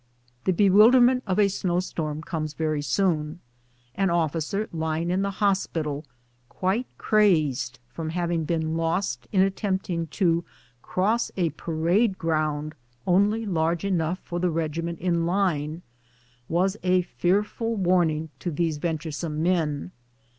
The bewilderment of a snow storm comes very soon. An officer lying in the hospital, quite crazed from hav ing been lost in attempting to cross a parade ground only large enough for the regiment in line, was a fear ful warning to these venturesome men.